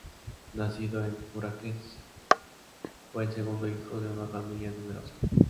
Nacido en Bucarest, fue el segundo hijo de una familia numerosa.